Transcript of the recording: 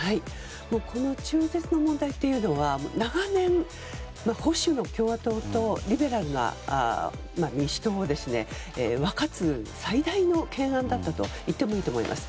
この中絶の問題というのは長年、保守の共和党とリベラルな民主党を分かつ、最大の懸案だったといってもいいと思います。